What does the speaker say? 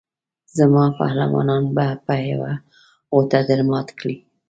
زما پهلوانان به په یوه غوټه درمات کړي.